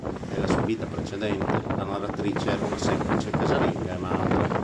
Nella sua vita precedente, la narratrice era una semplice casalinga e madre.